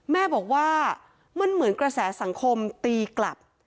แม่บอกว่ามันเหมือนกระแสสังคมตีกลับ